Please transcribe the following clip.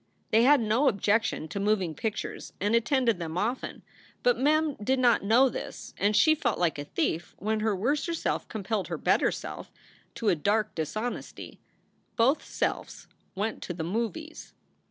They had no objection to moving pictures and 9 o SOULS FOR SALE attended them often, but Mem did not know this, and she felt like a thief when her worser self compelled her better self to a dark dishonesty. Both selves went to the movies!